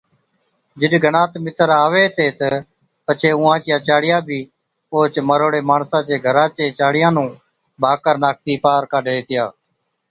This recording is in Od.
جِڏ گنات مِتر آوي ھِتي تہ پڇي اُونهان چِيا چاڙِيا بِي اوهچ مروڙي ماڻسان چي گھرا چي چاڙِيان نُون ڀاڪر ناکتِي پار ڪاڍي هِتِيا